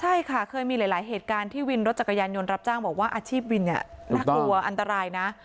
ใช่ค่ะเคยมีหลายเหตุการณ์ที่วินรถจักรยานยนต์รับจ้างบอกว่าอาชีพวินน่ากลัวอันตรายนะ